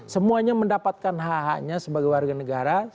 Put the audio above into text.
semuanya mendapatkan hh nya sebagai warga negara